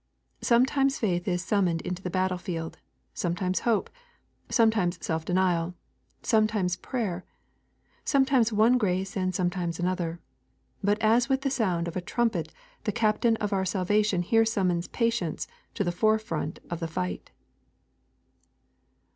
Sometimes faith is summoned into the battle field, sometimes hope, sometimes self denial, sometimes prayer, sometimes one grace and sometimes another; but as with the sound of a trumpet the Captain of our salvation here summons Patience to the forefront of the fight.